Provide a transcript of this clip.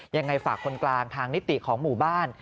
ยังไงฝากคนกลางทางนิติของหมู่บ้าน